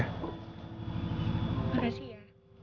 terima kasih ya